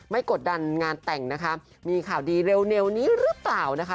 กดดันงานแต่งนะคะมีข่าวดีเร็วนี้หรือเปล่านะคะ